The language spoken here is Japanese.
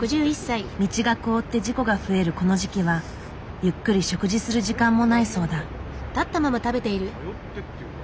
道が凍って事故が増えるこの時期はゆっくり食事する時間もないそうだ。